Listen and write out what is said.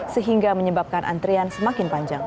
sehingga menyebabkan antrian semakin panjang